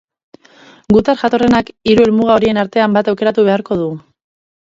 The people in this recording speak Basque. Gutar jatorrenak hiru helmuga horien artean bat aukeratu beharko du.